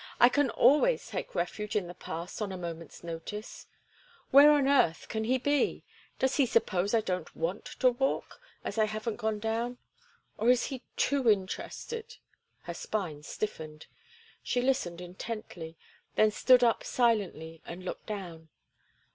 "I can always take refuge in the past on a moment's notice. Where on earth can he be? Does he suppose I don't want to walk—as I haven't gone down? Or is he too interested—" Her spine stiffened. She listened intently, then stood up silently and looked down.